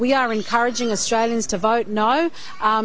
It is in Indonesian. memudahkan orang australia untuk memilih tidak